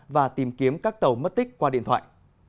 và tìm kiếm các tàu mất tích qua điện thoại